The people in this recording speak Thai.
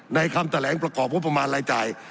คำแถลงประกอบงบประมาณรายจ่าย